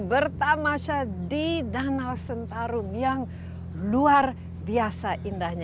bertam asia di danau sentarung yang luar biasa indahnya